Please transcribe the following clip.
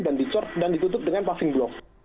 dan dicor dan ditutupi dengan puffing block